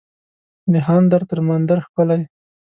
دهاندر تر مندر ښکلی